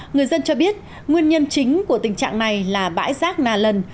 người dân cho biết nguyên nhân chính của tình trạng này là bãi rác nà lần